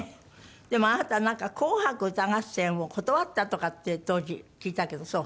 でもあなたはなんか『紅白歌合戦』を断ったとかって当時聞いたけどそう？